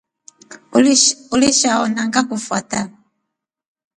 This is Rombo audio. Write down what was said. Uliisha ona ngakufata.